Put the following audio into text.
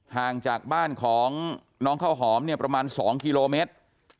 ห่างจากบ้านของน้องข้าวหอมเนี่ยประมาณ๒กิโลเมตร